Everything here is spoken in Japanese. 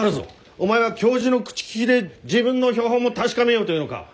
お前は教授の口利きで自分の標本も確かめようというのか？